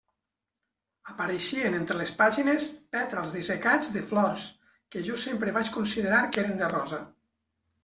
Apareixien entre les pàgines pètals dissecats de flors, que jo sempre vaig considerar que eren de rosa.